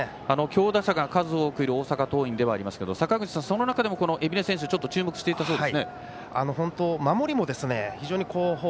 強打者が数多くいる大阪桐蔭ではありますが坂口さん、その中でも海老根選手に注目されていたそうですね。